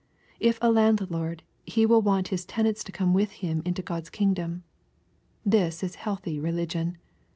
If a landlord, he will want his tenants to come with him into God's kingdom. This is healthy religion